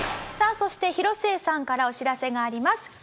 さあそして広末さんからお知らせがあります。